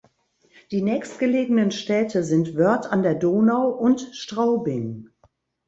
Die nächstgelegenen Städte sind Wörth an der Donau und Straubing.